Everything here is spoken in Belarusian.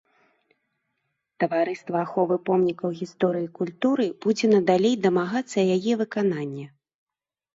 Таварыства аховы помнікаў гісторыі і культуры будзе надалей дамагацца яе выканання.